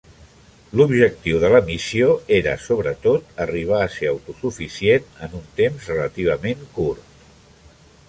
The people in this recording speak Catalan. L'objectiu de la missió era, sobretot, arribar a ser autosuficient en un temps relativament curt.